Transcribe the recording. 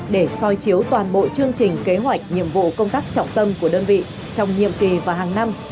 để soi chiếu toàn bộ chương trình kế hoạch nhiệm vụ công tác trọng tâm của đơn vị trong nhiệm kỳ và hàng năm